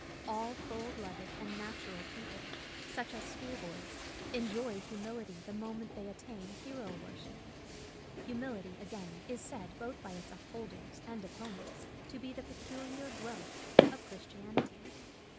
All full blooded and natural people, such as school boys, enjoy humility the moment they at tain hero worship. Humility, again, is said both by its upholders and opponents to be the peculiar growth of Christianity.